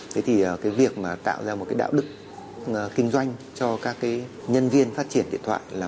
thế thì cái việc mà tạo ra một cái đạo đức kinh doanh cho các cái nhân viên phát triển điện thoại